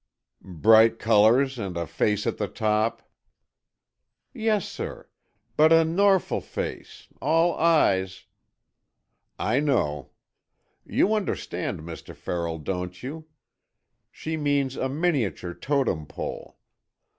"Bright colours, and a face at the top——" "Yes, sir. But a norful face, all eyes——" "I know. You understand, Mr. Farrell, don't you? She means a miniature Totem Pole.